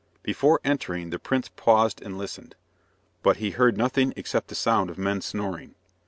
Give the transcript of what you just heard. Before entering, the prince paused and listened, but he heard nothing except the sound of men snoring.